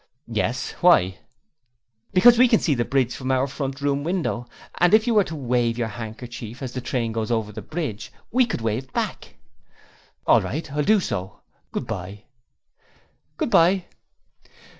'Yes. Why?' 'Because we can see the bridge from our front room window, and if you were to wave your handkerchief as your train goes over the bridge, we could wave back.' 'All right. I'll do so. Goodbye.' 'Goodbye.'